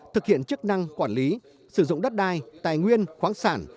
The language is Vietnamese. thực hiện chức năng quản lý sử dụng đất đai tài nguyên khoáng sản